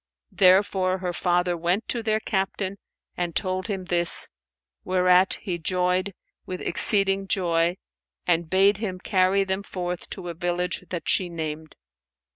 Therefore her father went to their Captain and told him this, whereat he joyed with exceeding joy and bade him carry them forth to a village that she named.